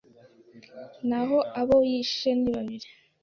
naho abo yishe ni babiri